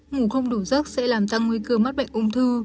ngủ không đủ giấc sẽ làm tăng nguy cơ mắc bệnh ung thư